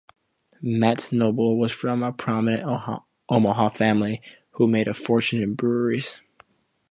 Metz Noble was from a prominent Omaha family who made a fortune in breweries.